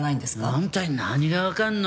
あんたに何がわかるの？